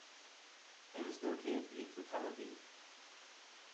It is located east of Tel Aviv.